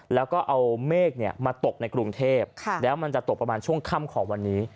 แล้วก็เอาเมฆมาตกในกรุงเทพแล้วมันจะตกประมาณช่วงค่ำของวันนี้